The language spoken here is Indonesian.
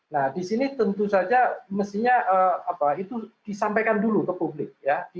nah di sini tentu saja mestinya itu disampaikan dulu ke publik ya